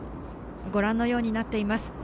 ご覧のようになっています。